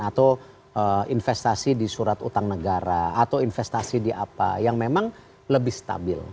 atau investasi di surat utang negara atau investasi di apa yang memang lebih stabil